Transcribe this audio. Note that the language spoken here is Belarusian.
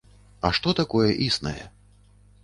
А што такое існае?